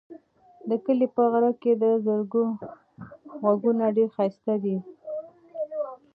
د کلي په غره کې د زرکو غږونه ډېر ښایسته دي.